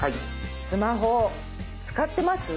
スマホ使ってます？